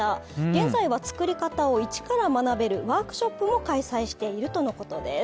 現在は、つくり方を一から学べるワークショップも開催しているとのことです。